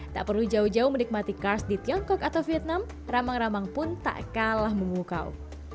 tak perlu jauh jauh menikmati kars di tiongkok atau vietnam ramang ramang pun tak kalah memukau